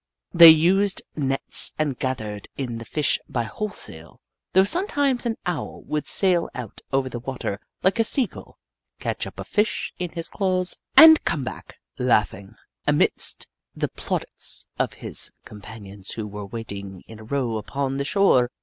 They used nets and gathered in the Fish by wholesale, though sometimes an Owl would sail out over the water like a Sea gull, catch up a Fish in his claws, and come back, laughing, amidst the plaudits of his com panions who were waiting in a row upon the shore.